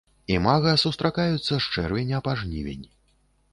Імага сустракаюцца з чэрвеня па жнівень.